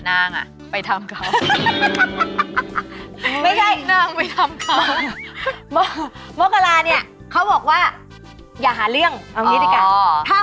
นางอ่ะไปทำเขา